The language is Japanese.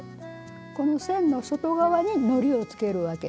この線の外側にのりをつけるわけです。